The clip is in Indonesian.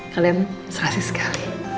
kalian serasi sekali